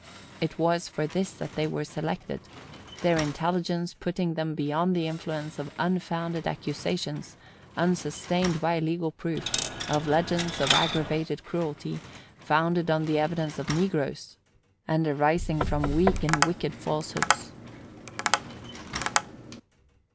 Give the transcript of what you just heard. It was for this that they were selected;—their intelligence putting them beyond the influence of unfounded accusations, unsustained by legal proof; of legends of aggravated cruelty, founded on the evidence of negroes, and arising from weak and wicked falsehoods.